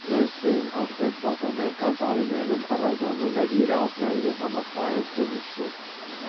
Լինդսեյն արդեն պատանեկան տարիներին առանձնանում էր և ազգային, և համաշխարհային թենիսում։